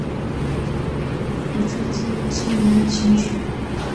李鏊自幼聪明而勤学。